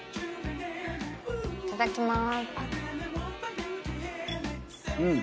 いただきます。